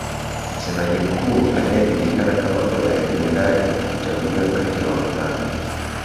Msemaji Mkuu anayejulikana kama Olaiguenani huchaguliwa kati ya wavulana